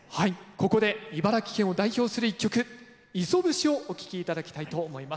ここで茨城県を代表する一曲「磯節」をお聴きいただきたいと思います。